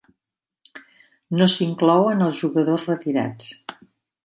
No s'inclouen els jugadors retirats.